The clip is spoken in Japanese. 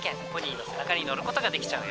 馬の背中に乗ることができちゃうよ。